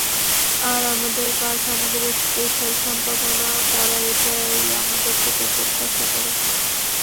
আর আমাদের কাজ, আমাদের স্পেশাল সম্পাদনা, তারা এটাই আমাদের থেকে প্রত্যাশা করে।